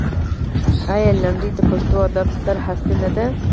آیا لنډۍ د پښتو ادب ستره هستي نه ده؟